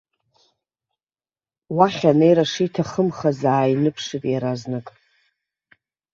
Уахь анеира шиҭахымхаз ааиныԥшит иаразнак.